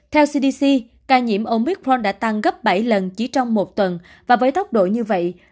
theo cdc ca nhiễm omitron đã tăng gấp bảy lần chỉ trong một tuần và với tốc độ như vậy